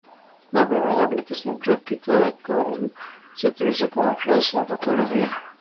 La primera aplicación práctica de circonio se utiliza como flash en fotografía.